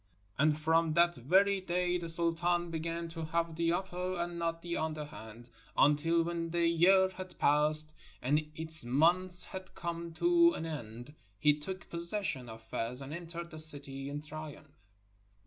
And from that very day the Sultan began to have the upper and not the under hand, until when the year had passed and its months had come to an end, he took possession of Fez and entered the city in triumph.